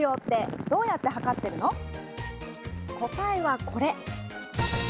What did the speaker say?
答えはこれ。